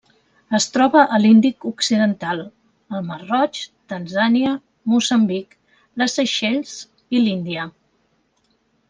Es troba a l'Índic occidental: el mar Roig, Tanzània, Moçambic, les Seychelles i l'Índia.